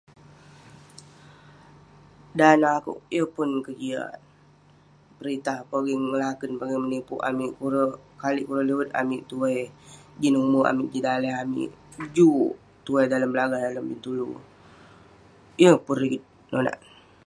dan neh akouk, yeng pun kejiak peritah pogeng ngelaken, pogeng menipuk amik kurek kali kurek liwet amik tuwai jin umerk amik jin daleh amik, juk.. tuwai dalem belagah, dalem bintulu ,yeng pun rigit nonak